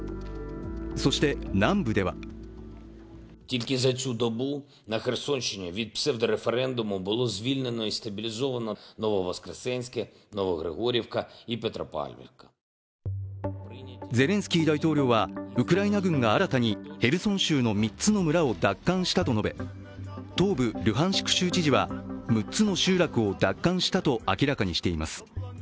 そして南部ではゼレンスキー大統領はウクライナ軍が新たにヘルソン州の３つの村を奪還したと述べ東部ルハンシク州知事は６つの集落を奪還したと明らかにしています。